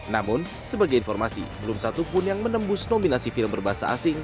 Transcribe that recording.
namun sebagai informasi belum satu pun yang menembus nominasi film berbahasa asing